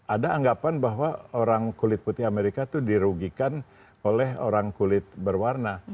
ada anggapan bahwa orang kulit putih amerika itu dirugikan oleh orang kulit berwarna